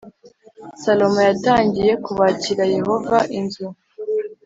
Salomo yatangiye kubakira Yehova inzu